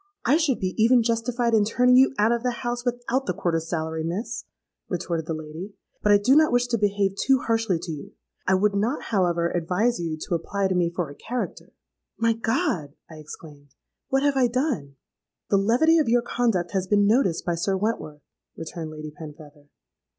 —'I should be even justified in turning you out of the house, without the quarter's salary, Miss,' retorted the lady: 'but I do not wish to behave too harshly to you; I would not, however, advise you to apply to me for a character.'—'My God!' I exclaimed; 'what have I done?'—'The levity of your conduct has been noticed by Sir Wentworth,' returned Lady Penfeather.